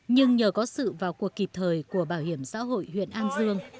nhưng nhờ có sự vào cuộc kịp thời của bảo hiểm xã hội huyện an dương